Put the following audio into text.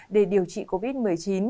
để điều trị covid một mươi chín